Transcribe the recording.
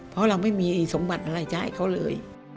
เพราะเราไม่มีสมบัติอะไรจะให้เขาเลย